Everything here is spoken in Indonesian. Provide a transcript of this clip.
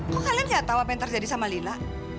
kok kalian tidak tahu apa yang terjadi sama lila